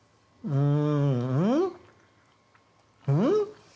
うん？